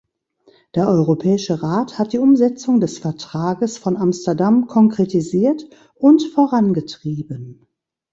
Der Europäische Rat hat die Umsetzung des Vertrages von Amsterdam konkretisiert und vorangetrieben.